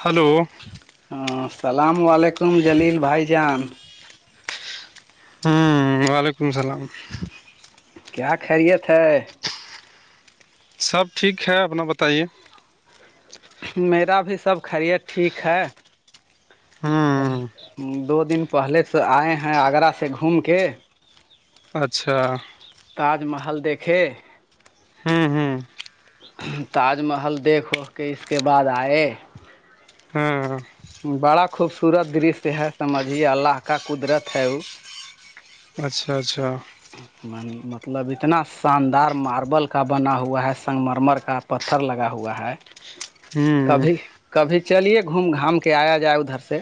hello ہاں السلام علیکم جلیل بھائی جان ہمم وعلیکم السلام کیا خیریت ہے سب ٹھیک ہے اپنا بتائیے میرا بھی سب خیریت ٹھیک ہے ہوں دو دن پہلے سے آئے ہیں آگرہ سے گھوم کے اچھا تاج محل دیکھے ہوں ہوں تاج محل دیکھ و کے اس کے بعد آئے ہاں بڑا خوبصورت درشیہ ہے سمجھی اللہ کا قدرت ہے وہ اچھا اچھا [inaudible] مطلب اتنا شاندار ماربل کا بنا ہوا ہے سنگمرمر کا پتھر لگا ہوا ہے ہوں کبھی کبھی چلیے گھوم گھام کے آیا جائے ادھر سے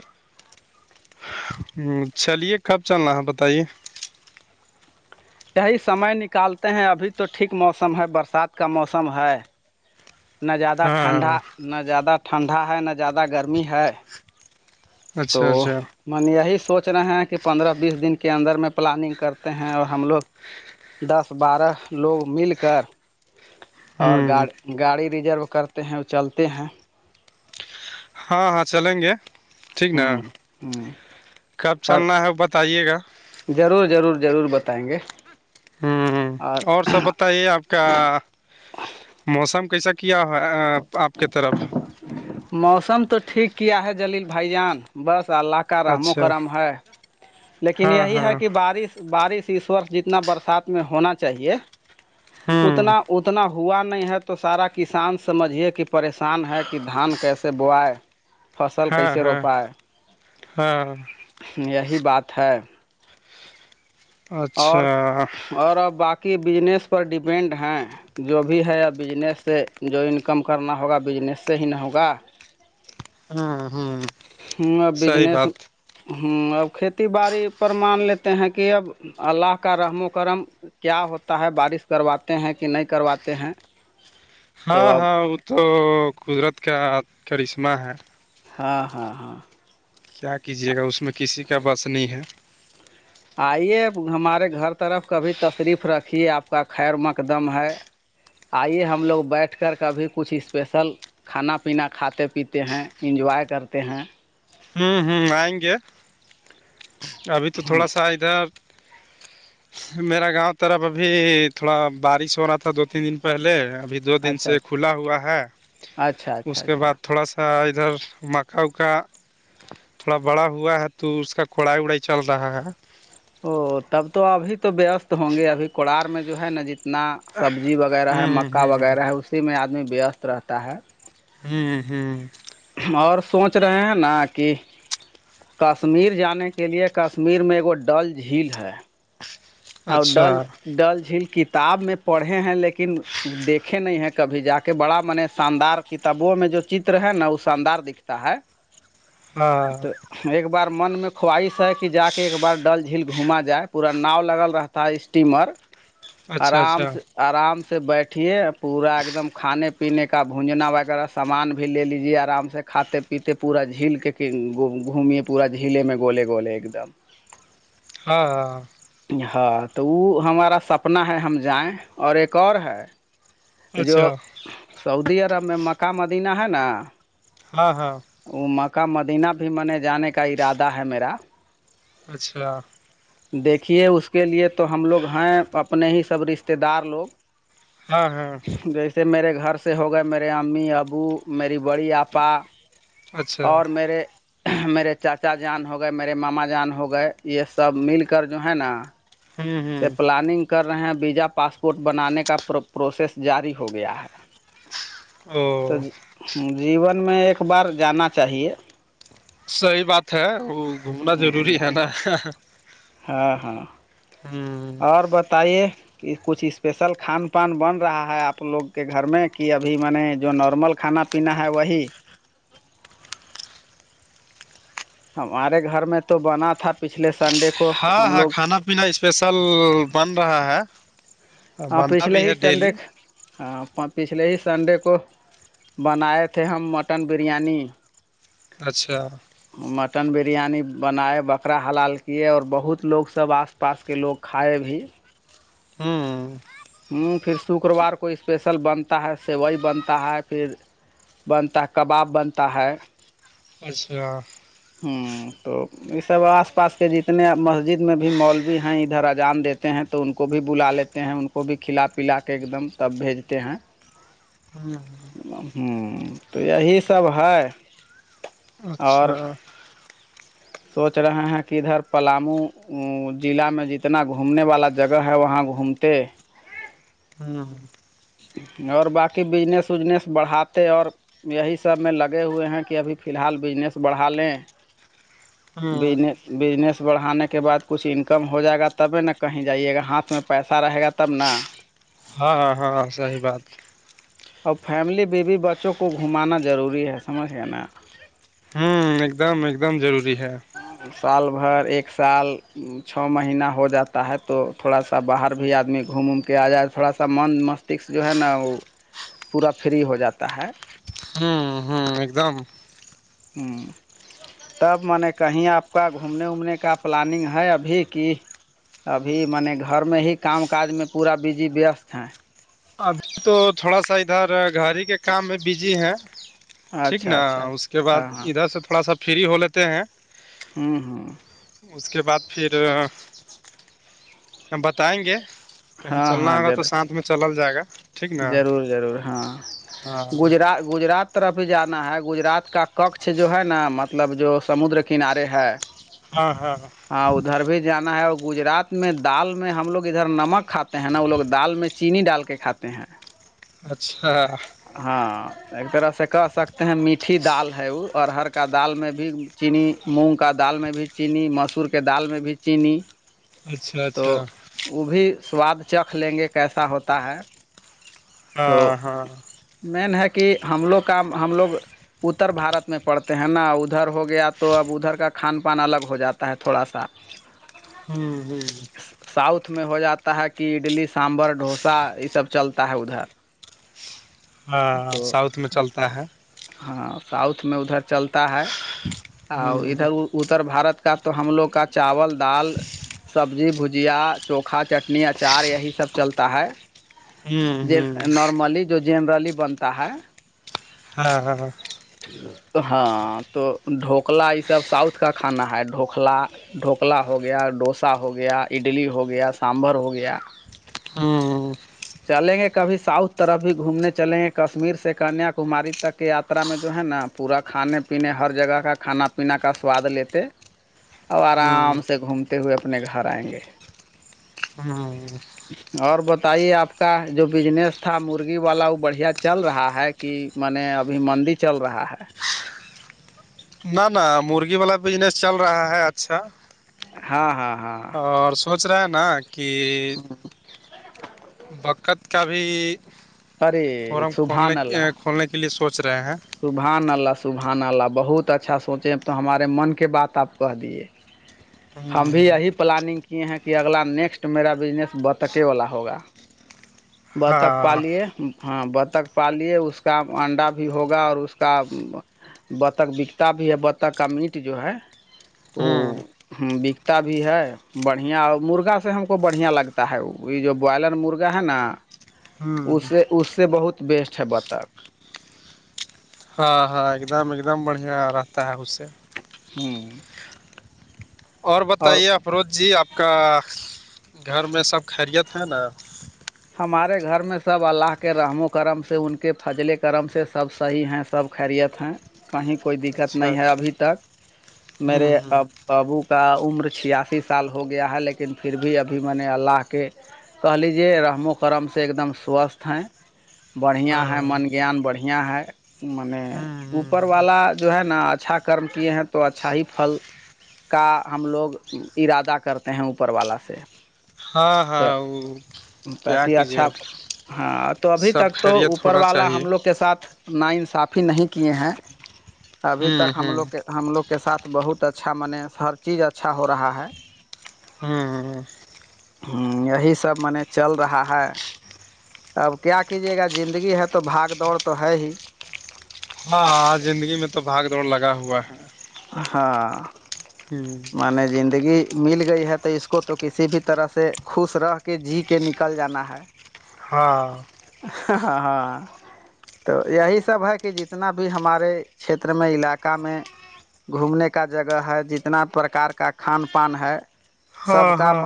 ہ چلیے کب چلنا ہے بتائیے یہی سمے نکالتے ہیں ابھی تو ٹھیک موسم ہے برسات کا موسم ہے نہ زیادہ ٹھنڈا ہاں نہ زیادہ ٹھنڈا ہے نہ زیادہ گرمی ہے تو اچھا اچھا من یہی سوچ رہے ہیں کہ پندرہ بیس دن کے اندر میں پلاننگ کرتے ہیں اور ہم لوگ دس بارہ لوگ مل کر اور ہوں گاڑ گاڑی بھی ضرور کرتے ہیں اور چلتے ہیں ہاں ہاں چلیں گے ٹھیک نا ہوں ہوں کب اور چلنا ہے وہ بتائیے گا ضرور ضرور ضرور بتائیں گے ہوں اور سب بتائیے آپ کا موسم کیسا کیا ہو آپ کی طرف موسم تو ٹھیک کیا ہے جلیل بھائی جان بس اللہ رحم و اچھا کرم ہے لیکن ہاں یہی ہے ہاں کہ بارش بارش اس وورس جتنا برسات میں ہونا چاہیے ہوں اتنا اتنا ہو ہوا نہیں ہے تو سارا کسان سمجھیے کہ پریشان ہے کہ دھان کیسے بووائے فصل ہاں کیسے ہاں روپائے ہاں یہی بات ہے اور اچھا اور اب باقی بجنس پر ڈپینڈ ہیں جو بھی ہےیا بجنس سے جو انکم کرنا ہوگا بجنس سے ہی نہ ہوگا ہاں ہوں میں صحیح بزنس بات ہوں اب کھیتی باڑی پر مان لیتے ہیں کہ اب اللہ کا رحم و کرم کیا ہوتا ہے بارش کرواتے ہیں کہ نہیں کرواتے ہیں تو ہاں اب ہاں وہ تو قدرت کا کرشمہ ہے ہاں ہاں ہاں کیا کیجیے گا اس میں کسی کا بس نہیں ہے آئیے ہمارے گھر طرف کبھی تشریف رکھیے آپ کا خیر مقدم ہے آئیے ہم لوگ بیٹھ کر کبھی کچھ اسپیشل کھانا پینا کھاتے پیتے ہیں انجوائے کرتے ہیں ہوں ہوں آئیں گے ابھی تو تھوڑا سا ادھر میرا گاؤں ترف ابھی تھوڑا بارش ہو رہا تھا دو تین دن پہلے ابھی دو دن سے اچھا اچھا کھلا ہوا ہے اچھا اس اچھا کے اچھا بعد تھوڑا سا ادھر مکاؤ کا تھوڑا بڑا ہوا ہے تو اس کا کوڑھائی وڑھائی چل رہا ہے او تب تو ابھی تو وست ہوں گے ابھی کوار میں جو ہے نا جتنا سبزی وغیرہ ہے ہوں مکا ہوں وغیرہ ہے اسی میں آدمی وست رہتا ہے ہوں ہوں اور سوچ رہے ہیں نا کہ کشمیر جانے کے لیے کشمیر میں ایکگو ڈل جھیل ہے اور اچھا ڈل ڈل جھیل کتاب میں پڑھے ہیں لیکن دیکھے نہیں ہیں کبھی جا کے بڑا من شاندار کتابوں میں جو چتر ہے نا وہ شاندار دکھتا ہے ہاں تو ایک بار من خواہش ہے کہ جا کے ایک بار ڈل جھیل گھما جائے پورا ناؤ لگل رہتا اسٹیمر اچھا آرام اچھا سے آرام سے بیٹھیے پورا ایک دم کھانے پینے کا بونجنا وغیرہ سامان بھی لے لیجیے آرام سے کھاتے پیتے پورا جھیل کے گھوم پورا جھیلے میں گولے گولے ایک دم ہاں ہاں ہاں تو وہ ہمارا سپنا ہے ہم جائیں اور ایک اور ہے جو اچھا سعودی عرب میں مکہ مدینہ ہے نا ہاں ہاں وہ مکہ مدینہ بھی منے جانے کا ارادہ ہے میرا اچھا دیکھیے اس کے لیے تو ہم لوگ ہیں اپنے ہی سب رشتے دار لوگ ہاں ہاں [inaudible] سے میرے گھر سے ہو گئے میرے امی ابو میری بڑی آپا اچھا اور میرے میرے چاچا جان ہو گئے میرے ماما جان ہو گئے یہ سب مل کر جو ہے نا ہوں سے ہوں پلاننگ کر رہے ہیں ویزا پاسپورٹ بنانے کا پرو پروسیس جاری ہو گیا ہے او تو جیون میں ایک بار صحیح بات ہے ضروری ہے نا ہاں ہاں ہوں اور بتائیے کچھ اسپیسل خان پان بن رہا ہے اپ لوگ کے گھر میں کہ ابھی میں نے جو نارمل کھانا ہے وہی ہمارے گھر میں تو بنا تھا- پچھلے سنڈے- کو ہاں ہم ہاں لوگ کھانا پینا اسپیشل بن رہا ہے اپ بنتا پچھلے بھی ہی ہے ڈیلی سندھک پچھلے ہی سنڈے کو- بنائے تھے ہم مٹن بریانی- اچھا مٹن بریانی بنائے بکرا حلال کی ہے اور بہت لوگ سب پاس کے لوگ کھائے بھی - ہوں پھر تو کروار کو اسپیسل بنتا ہے سوائی بنتا ہے پھر کباب بنتا ہے- اچھا ہوں تو اس پاس کے جتنے مسجد میں بھی مولوی ہیں ادھر ا جان دیتے ہیں تو ان کو بھی بلا لیتے ہیں ان کو بھی کھلا پلا کے ایک دم تب بھیجتے ہیں- [inaudible] تو یہ سب ہائے اور اچھا - سوچ رہے ہیں کہ ادھر پلامو ضلع میں جتنا گھومنے والا جگہ ہے وہاں گھومتے ہاں اور باقی بزنس بڑھاتے اور یہی سب میں لگے ہوئے ہیں کہ ابھی فی الحال بجنس بڑھا لیں ہاں بزنس بزنس بڑھانے کے بعد کچھ انکم ہو جائے گا تبھی ن کہیں جائیے گا ہاتھ میں پیسہ رہے گا تب ن- ہاں- ہاں صحیح بات اب فیملی بی بی بچوں کو گھمانا ضروری ہے سمجھ لینا - ہوں ایک دم ایک دم ضروری ہے - سال بھر ایک سال- چ مہینہ ہو جاتا ہے تو تھوڑا سا باہر بھی ادمی گھوم کے ا جائے تھوڑا سا منند جو ہے نا وہ پورا فری ہو جاتا ہے ہوں ہوں ہ ایک دم ہوں کہیں اپ کا گھومنے گھومنے کا پلاننگ ہے ابھی کی- ابھی م نے گھر میں ہی کام کاج میں پورا بزی وست ہیں تو تھوڑا سا ادھر گاڑی کے کام میں بجے ہیں ٹھیک اچھا نا اچھا اس کے بعد ہاں ہاں ادھر سے تھوڑا سا فری ہو لیتے ہیں- ہوں- ہوں اس کے بعد پھر ہم بتائیں گے- کہیں ہاں چلنا ہاں ہوگا تو ضرور ساتھ میں چلل جائے گا- ٹھیک نا ضرور ضرور ہاں ہاں گجرات - گجرات طرف ہی جانا ہے گجرات کا کچھ جو ہے نا مطلب جو سمندر کنارے ہے- ہاں ہاں ہاں ہاں ادھر بھی جانا ہے اور گجرات میں دال میں ہم لوگ ادھر نمک کھاتے ہیں نا وہ لوگ دال میں چینی ڈال کے کھاتے ہیں اچھا ہاں ایک طرح سے کہ سکتے ہیں میٹھی دال ہے وہ ارہر کا دال میں بھی چینی مونگ کا دال میں بھی چینی مسور کے دال میں بھی چینی اچھا تو اچھا وہ بھی سواد چکھ لیں گے کیسا ہوتا ہے تو ہاں ہاں مین ہے کہ ہم لوگ کام ہم لوگ اتر بھارت میں پڑتے ہیں نا ادھر ہو گیا تو اب ادھر کا کھان پان الگ ہو جاتا ہے تھوڑا سا [inaudible] ہوں ہ ساؤتھ میں ہو جاتا ہے کہ اڈلی سانبھر ڈوسا یہ سب چلتا ہے ادھر ہاں تو ساؤتھ میں چلتا ہے ہاں ساؤتھ میں ادھر چلتا ہے اور ہوں ادھر اتر بھارت کا تو ہم لوگ کا چاول دال سبزی بھجیا چوکھا چٹنی اچار یہی سب چلتا ہے ہوں جی ہوں نارملی جو جنرلی بنتا ہے ہاں ہاں ہاں ہاں تو ڈھوکلا یہ سب ساؤتھ کا کھانا ہے ڈھوکلا ڈھوکلا ہو گیا ڈوسا ہو گیا اڈلی ہو گیا سانبھر ہو گیا ہاں چلیں گے کبھی ساؤتھ طرف بھی گھومنے چلیں گے کشمیر سے کنیا کماری ب تک یارا میں جو ہے نا پورا کھانے پینے ہر جگہ کا کھانا پینا کا سواد لیتے اورب ہوں آرام سے گھومتے ہوئے اپنے گھر آئیں گے ہاں اور بتائیے آپ کا جو بجنس تھا مرغی والا وہ بڑھیا چل رہا ہے کہ م نے ابھی مندی چل رہا ہے نہ نہ مرغی والا بجنس چل رہا ہے اچھا ہاں ہاں ہاں اور سوچ رہا ہے نا کہ بکت کا بھی ارے فورم کھولنے سبحان اللہ کھولنے کے لیے سوچ رہے ہیں سبحان اللہ سبحان اللہ بہت اچھا سوچے تو ہمارے من کے بات آپ کہہ دیے ہم بھی ہوں یہی پلاننگ کیے ہیں کہ اگلا نیکسٹ میرا بزنس بطکے والا ہوگا بتخ ہاں پالیے ہاں بتخ پالے اس کا انڈا بھی ہوگا اور اس کا بتخ بکتا بھی ہے بتخ کا میٹ جو ہے ہاں ہوں بکتا بھی ہے بڑھیا مرغہ سے ہم کو بڑھیا لگتا ہے یہ جو بوائلر مرغا ہے نا ہوں اس سے اس سے بہت بیسٹ ہے بتاؤ ہاں ہاں ایک دم ایک دم بڑھیا رہتا ہے اس سے ہاں اور بتائیے افروز جی آپ کا گھر میں سب خیریت ہے نا ہمارے گھر میں سب اللہ کے رحم و کرم سے ان کے فضل کرم سے سب صحیح ہیں سب خیریت ہیں کہیں کوئی دقت اچھا نہیں ہے اچھا ابھی تک ہوں میرے ہوں اب ابو کا عمر چھیاسی سال ہو گیا ہے لیکن پھر بھی ابھی میں نے اللہ کے کہ لیجیے کرمو کرم سے ایک دم سوستھ ہیں بڑھیاں ہاں ہیں من گیان بڑھیا ہے م نے ہوں اوپر ہوں والا جو ہے نا اچھا کرم کیے ہیں تو اچھا ہی پھل کا ہم لوگ ارادہ کرتے ہیں اوپر والا سے ہاں ہاں کیا پٹری کیجیے اچھا ہاں تو ابھی سب تک تو خیریت اوپر ہونا والا چاہیے ہم لوگ کے ساتھ ناانصافی نہیں کیے ہیں ابھی ہوں تک ہم ہوں لوگ کے ہم لوگ کے ساتھ بہت اچھا منے ہر چیز اچھا ہو رہا ہے ہاں ہاں ہاں یہی سب مان چل رہا ہے اب کیا کیجیے گا زندگی ہے تو بھاگ دوڑ تو ہے ہی ہاں زندگی میں تو بھاگ دوڑ لگا ہوا ہے ہاں ہ مان زندگی مل گئی ہے تو اس کو تو کسی بھی طرح سے خوش رہ کے جی کے نکل جانا ہے ہاں ہاں ہاں تو یہی سب ہے کہ جتنا بھی ہمارے چھیتر میں علاقہ میں گھومنے کا جگہ ہے جتنا پرکار کا کھان پان ہے سب ہاں کا ہاں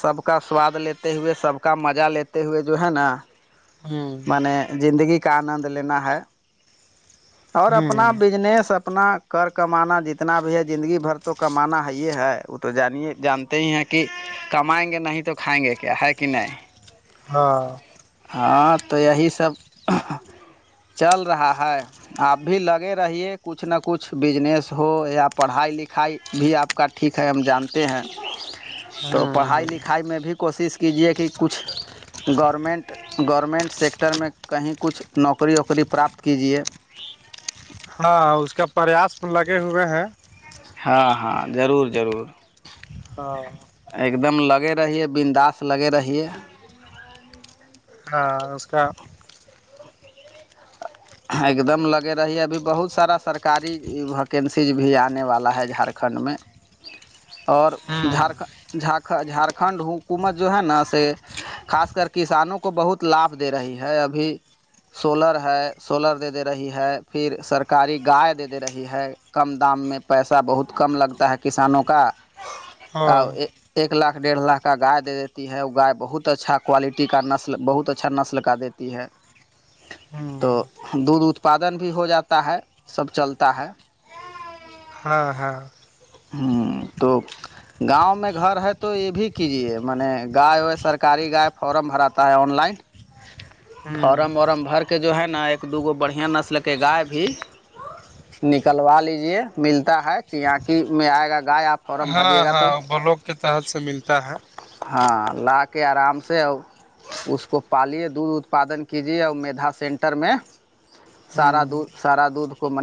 سب کا سواد لیتے ہوئے سب کا مزہ لیتے ہوئے جو ہے نا ہوں مان زندگی کا آنند لینا ہے اور اپنا ہوں بزنس اپ اپنا کر کمانا جتنا بھی ہے زندگی بھر تو کمانا ہے یہ ہے وہ تو جانے جان ہیں کہ کمائیں گے نہیں تو کھائیں گے کیا ہے کہ نہیں ہاں ہاں تو یہی سب چل رہا ہے آپ بھی لگے رہیے کچھ نہ کچھ بزنس ہو یا پڑھائی لکھائی بھی آپ کا ٹھیک ہے ہم جانتے ہیں تو پڑھائی ہوں لکھائی میں بھی کوشش کیجیے کہ کچھ گورنمنٹ گورنمنٹ سیکٹر میں کہیں کچھ نوکری ووکری پراپت کیجیے ہاں اس کا پریاس لگے ہوئے ہیں ہاں ہاں ضرور ضرور ہاں ایک دم لگے رہیے بنداس لگے رہیے ہاں اس کا ایک دم لگے رہی ہے ابھی بہت سارا سرکاری ویکنسیز بھی آنے والا ہے جھارکھنڈ میں ببب اور ہوں جھارن ج جھارکھنڈ حکومت جو ہے نا سے خاص کر کسانوں کو بہت لابھ دے رہی ہے ابھی سولر ہے سولر دے دے رہی ہے پھر سرکاری گائے دے دے رہی ہے کم دام میں پیسہ بہت کم لگتا ہے کسانوں کا ہاں ایک لاکھ ڈیڑھ لاکھ کا گائے دے دیتی ہے وہ گائے بہت اچھا کوالٹی کا نسل بہت اچا اچھا نسل کا دیتی ہے ہوں تو دودھ اتپادن بھی ہو جاتا ہے سب چلتا ہے ہاں ہاں ہا تو گاؤں میں گھر ہے تو یہ بھی کیجیے میں نے گائے ہوئے سرکاری گائے فارم بھراتا ہے آن لائن گ ہوں فارم وارم بھر کے جو ہے نا ایک دو گو بڑھیا نسلک ہے گائے بھی نکلوا لیجے ملتا ہے چیاکی میں آئے گا گائے آپ فارم ہاں بھریے گا تو ہاں بلاک کے تحت سے ملتا ہے ہاں لا کے آرام سے ا اس کو پالے دودھ اتپادن کیجیے اور مھا سینٹر میں سارا ہوں دھ سارا دودھ کو من